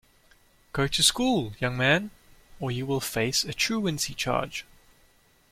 Go to school, young man, or you will face a truancy charge!